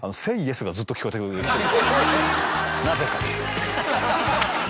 なぜか。